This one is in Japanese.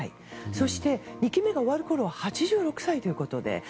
そして２期目が終わるころは８６歳ということで。